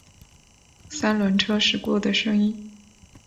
三轮车驶过的声音